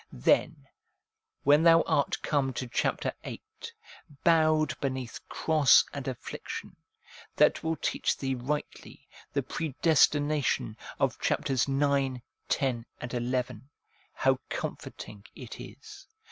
Then, when thou art come to chapter VIII., bowed beneath cross and affliction, that will teach thee rightly the predestination of chapters IX., X., and XL, how comforting it is.